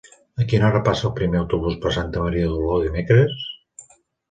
A quina hora passa el primer autobús per Santa Maria d'Oló dimecres?